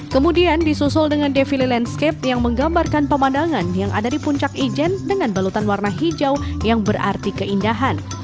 kemudian disusul dengan defile landscape yang menggambarkan pemandangan yang ada di puncak ijen dengan balutan warna hijau yang berarti keindahan